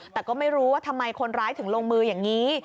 แต่ก็ไม่รู้ว่าทำไมคนร้ายถึงลงมืออย่างนี้